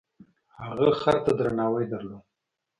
هغه خر ته درناوی درلود.